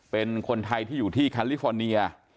เป็นคนไทยที่อยู่ที่แคลิฟอร์เนีย